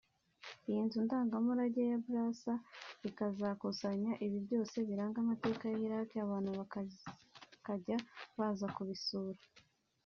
iyi nzu ndangamurage ya Basra ikazakusanya ibi byose biranga amateka ya Iraq abantu bakajya baza kubisura